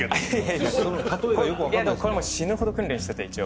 これもう死ぬほど訓練してて一応。